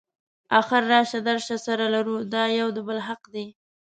اخر راشه درشه سره لرو دا یو د بل حق دی.